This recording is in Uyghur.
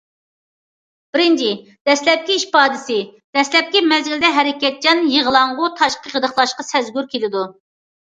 بىرىنچى، دەسلەپكى ئىپادىسى: دەسلەپكى مەزگىلدە ھەرىكەتچان، يىغلاڭغۇ، تاشقى غىدىقلاشقا سەزگۈر كېلىدۇ.